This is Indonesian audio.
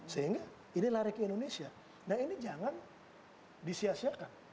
sehingga ini lari ke indonesia nah ini jangan disiasiakan